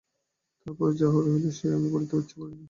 তার পরে যা হইল সে আমি বলিতে ইচ্ছা করি না।